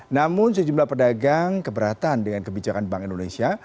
namun sejumlah pedagang keberatan dengan kebijakan bank indonesia